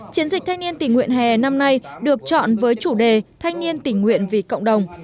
chiến dịch thanh niên tình nguyện hè năm nay được chọn với chủ đề thanh niên tình nguyện vì cộng đồng